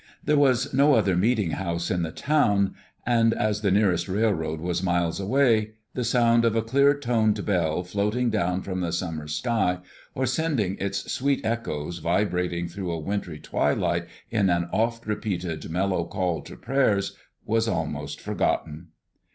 There was no other meeting house in the town, and as the nearest railroad was miles away, the sound of a clear toned bell floating down from the summer sky, or sending its sweet echoes vibrating through a wintry twilight in an oft repeated mellow call to prayers, was almost forgotten.